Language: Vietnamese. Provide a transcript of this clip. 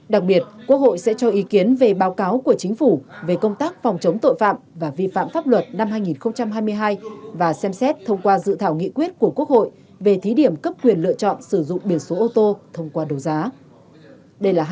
đặc biệt quốc hội sẽ cho ý kiến về báo cáo của chính phủ về công tác phòng chống tội phạm và vi phạm pháp luật năm hai nghìn hai mươi hai và xem xét thông qua dự thảo nghị quyết của quốc hội về thí điểm cấp quyền lựa chọn sử dụng biển số ô tô thông qua đấu giá